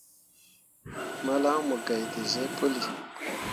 Malan mu gai te zĩĩ puli.